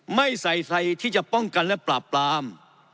ไม่ใส่ใครที่จะป้องกันและปราบปราม